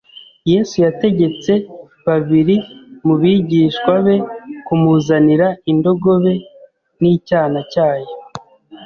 Yesu yategetse babiri mu bigishwa be kumuzanira indogobe n'icyana cyayo.